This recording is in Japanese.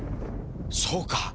そうか。